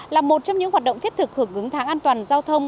là một trong những hoạt động thiết thực hưởng ứng tháng an toàn giao thông